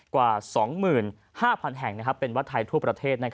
กว่า๒๕๐๐๐แห่งเป็นวัดไทยทั่วประเทศ